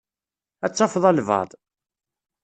Ad tafeḍ albaɛḍ.